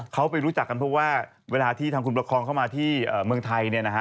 เขาไปรู้จักกันเพราะว่าเวลาที่ทางคุณประคองเข้ามาที่เมืองไทยเนี่ยนะฮะ